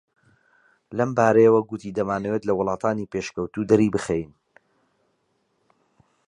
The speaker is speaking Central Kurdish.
لەمبارەیەوە گوتی دەمانەوێت لە وڵاتانی پێشکەوتوو دەری بخەین